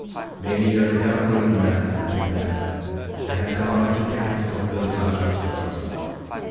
"Maybe you're a Government man," the big man said, "and have come out to catch some of Bill Sergeant's boys."